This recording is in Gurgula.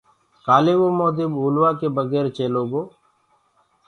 ڪآلي وو موندي ٻولوآ ڪي بگير چيلو گو؟